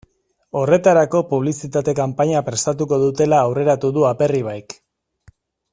Horretarako publizitate kanpaina prestatuko dutela aurreratu du Aperribaik.